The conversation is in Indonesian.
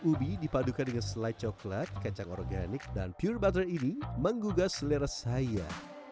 ubi dipadukan dengan selai coklat kacang organik dan pure butter ini menggugah selera saya